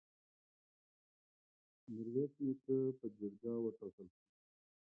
میرویس نیکه په جرګه وټاکل شو.